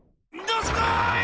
どすこい！